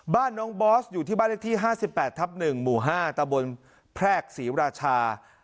บ้านน้องบอสอยู่ที่บ้านเลขที่ห้าสิบแปดทับหนึ่งหมู่ห้าตะบนแพรกศรีราชา